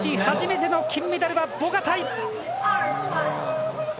初めての金メダルはボガタイ！